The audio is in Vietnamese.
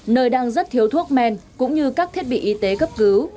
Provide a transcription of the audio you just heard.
nơi đang rất thiếu thuốc men cũng như các thiết bị y tế cấp cứu